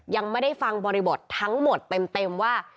ยังไม่ได้ฟังบริบททั้งหมดเต็มว่า